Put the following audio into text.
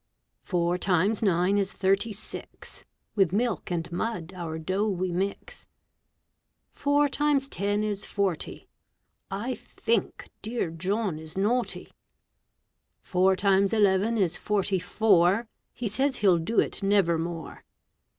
Four times nine is thirty six. With milk and mud our dough we mix. Four times ten is forty. I think dear John is naughty. Four times eleven is forty four. He says he'll do it never more.